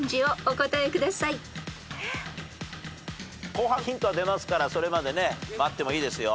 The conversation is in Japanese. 後半ヒント出ますからそれまでね待ってもいいですよ。